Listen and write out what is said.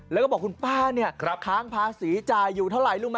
แล้วก็บอกคุณป้าเนี่ยค้างภาษีจ่ายอยู่เท่าไหร่รู้ไหม